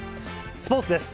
スポーツです。